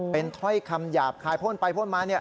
เป็นถ้อยคำหยาบคายพ่นไปพ่นมา